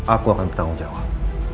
aku akan bertanggung jawab